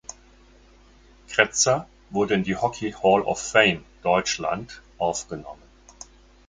Kretzer wurde in die Hockey Hall of Fame Deutschland aufgenommen.